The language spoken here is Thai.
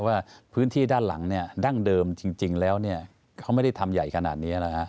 ว่าพื้นที่ด้านหลังดั้งเดิมจริงแล้วเขาไม่ได้ทำใหญ่ขนาดนี้นะฮะ